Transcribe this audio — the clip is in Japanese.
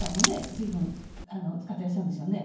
随分使ってらっしゃるんですよね。